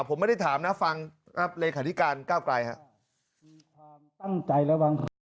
ผมไม่ได้ถามนะฟังเลขาธิการก้าวไกลครับ